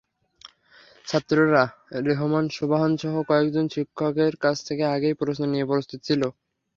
ছাত্ররা রেহমান সোবহানসহ কয়েকজন শিক্ষকের কাছ থেকে আগেই প্রশ্ন নিয়ে প্রস্তুত ছিল।